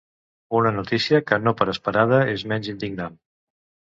Una notícia que no per esperada és menys indignant.